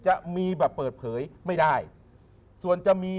จะมีแบบเปิดเผยไม่ได้ส่วนจะมี